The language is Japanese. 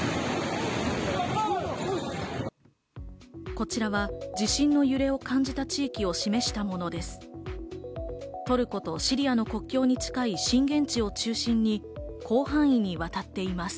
こちらは地震の揺れを感じた地域を示したものです。